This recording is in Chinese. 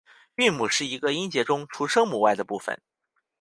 韵母是一个音节中除声母外的部分。